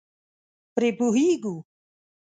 پرې پوهېږو.